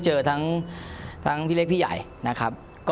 ให้ตรงไปนี่